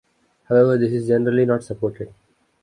However, this is generally not supported.